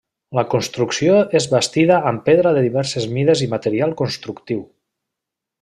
La construcció és bastida amb pedra de diverses mides i material constructiu.